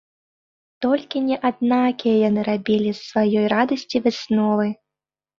Толькі не аднакія яны рабілі з сваёй радасці высновы.